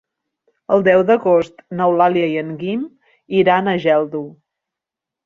El deu d'agost n'Eulàlia i en Guim iran a Geldo.